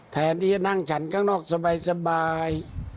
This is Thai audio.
แทนที่จะนั่งฉันข้างนอกสบาย